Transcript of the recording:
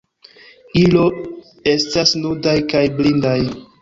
Ilo estas nudaj kaj blindaj.